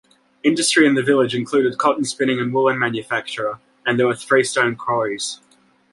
Industry in the village included cotton-spinning and woollen manufacture and there were freestone quarries.